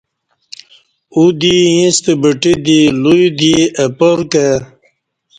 او دی ییستہ بٹہ دی لوی دی اپارکہ